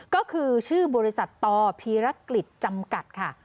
ก็คือชื่อบริษัทตผีนกลิดจำกัดค่ะ